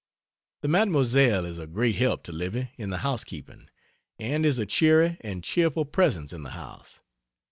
The Mademoiselle is a great help to Livy in the housekeeping, and is a cheery and cheerful presence in the house.